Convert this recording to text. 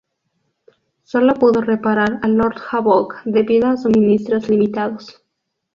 Solo pudo reparar a Lord Havok debido a suministros limitados.